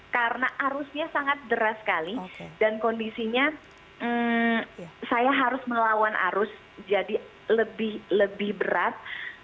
karena arusnya sangat deras sekali dan kondisinya saya harus melawan arus jadi lebih berat